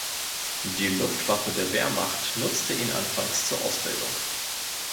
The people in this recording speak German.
Die Luftwaffe der Wehrmacht nutzte ihn anfangs zur Ausbildung.